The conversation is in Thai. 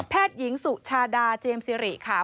แพทยิงสุชาดาเจมส์ซีริค่ะ